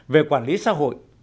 về quản lý xã hội